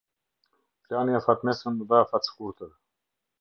Plani afatmesëm dhe afatshkurtër.